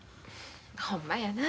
ほんまやな。